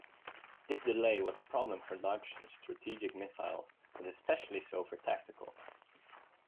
This delay was a problem for large strategic missiles, but especially so for tactical.